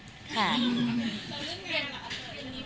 ครอบครัวมีน้องเลยก็คงจะอยู่บ้านแล้วก็ดูแลสามีแล้วก็เลี้ยงลูกให้ดีที่สุดค่ะ